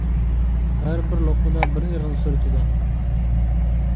ھەر بىر لوقمىدا بىر ئېغىنى سۈرتىدۇ.